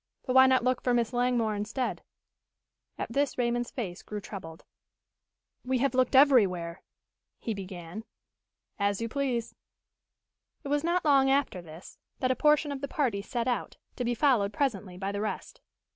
"But why not look for Miss Langmore instead?" At this Raymond's face grew troubled. "We have looked everywhere " he began. "As you please." It was not long after this that a portion of the party set out, to be followed presently by the rest.